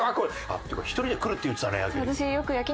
あっ１人で来るって言ってたね焼肉。